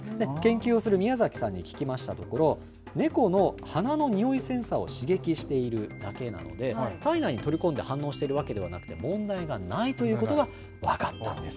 宮崎さんに聞きましたところ、猫の鼻のにおいセンサーを刺激しているだけなので、体内に取り込んで反応しているわけではなくて、問題がないということが分かったんです。